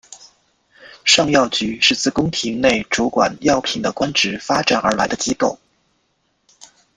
尚药局是自宫廷内主管药品的官职发展而来的机构。